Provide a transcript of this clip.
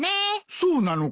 そうなのか？